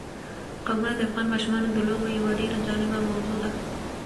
قومونه د افغان ماشومانو د لوبو یوه ډېره جالبه موضوع ده.